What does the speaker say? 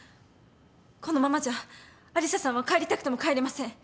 このままじゃ有沙さんは帰りたくても帰れません。